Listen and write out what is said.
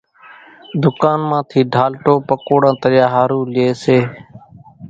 ڌُڪان مان ٿي ڍالٽو پڪوڙان تريا ۿارُو لئي سي